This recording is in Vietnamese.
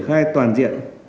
khai toàn diện